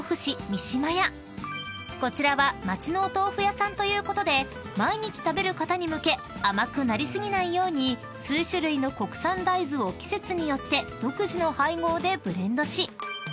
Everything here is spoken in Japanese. ［こちらは町のお豆腐屋さんということで毎日食べる方に向け甘くなり過ぎないように数種類の国産大豆を季節によって独自の配合でブレンドし］